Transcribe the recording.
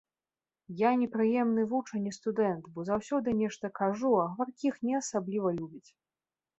Я непрыемны вучань і студэнт, бо заўсёды нешта кажу, а гаваркіх не асабліва любяць.